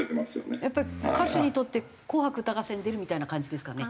歌手にとって『紅白歌合戦』出るみたいな感じですかね？